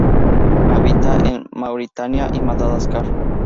Habita en Mauritania y Madagascar.